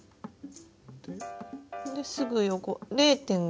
ですぐ横０．５。